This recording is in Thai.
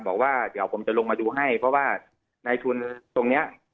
บอกว่าเดี๋ยวผมจะลงมาดูให้เพราะว่าในทุนตรงนี้